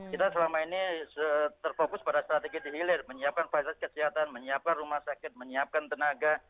kita selama ini terfokus pada strategi di hilir menyiapkan fasilitas kesehatan menyiapkan rumah sakit menyiapkan tenaga